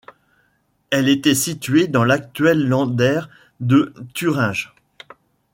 Elle était située, dans l’actuel Länder de Thuringe.